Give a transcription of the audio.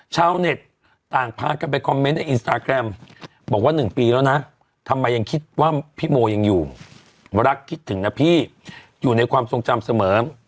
ชาวเน็ตต่างพากันไปคอมเมนต์ในอินสตาแกรมบอกว่า๑ปีแล้วนะทำไมยังคิดว่าพี่โมยังอยู่รักคิดถึงนะพี่อยู่ในความทรงจำเสมอ